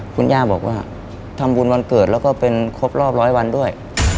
คุณย่าบอกว่าทำบุญวันเกิดแล้วก็เป็นครบรอบร้อยวันด้วย